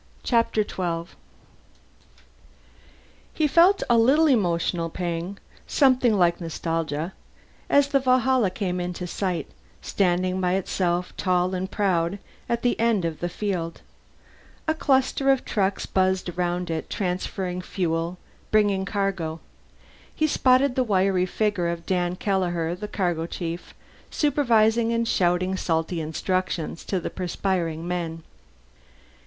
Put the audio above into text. Chapter Twelve He felt a little emotional pang, something like nostalgia, as the Valhalla came into sight, standing by itself tall and proud at the far end of the field. A cluster of trucks buzzed around it, transferring fuel, bringing cargo. He spotted the wiry figure of Dan Kelleher, the cargo chief, supervising and shouting salty instructions to the perspiring men.